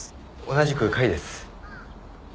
同じく甲斐です。